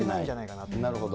なるほど。